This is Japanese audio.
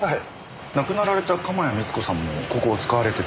亡くなられた鎌谷充子さんもここを使われてた？